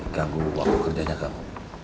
ganggu waktu kerjanya kamu